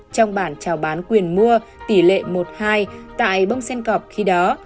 trong bản trào bán quyền mua tỷ lệ một hai tại bông sen cọp khi đó